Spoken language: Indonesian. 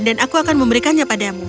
dan aku akan memberikannya padamu